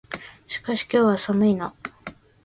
しかし、今日は寒いな。